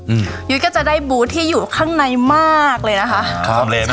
ยุ้ยก็จะได้บูธที่อยู่ข้างในมากเลยนะคะครับเลยไหม